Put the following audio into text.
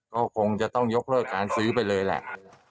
ก็คงจะต้องยกเลิกการซื้อไปเลยแหละ